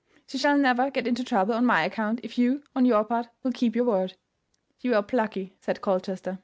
She shall never get into trouble on my account if you, on your part, will keep your word." "You are plucky," said Colchester.